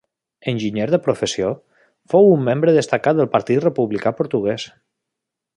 Enginyer de professió, fou un membre destacat del Partit Republicà Portuguès.